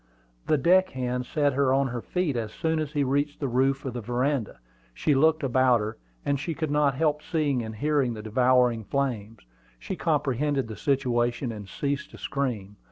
The deck hand set her on her feet as soon as he reached the roof of the veranda. She looked about her, and she could not help seeing and hearing the devouring flames. She comprehended the situation, and ceased to scream.